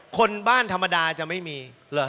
คนบ้านธรรมดาจะไม่มี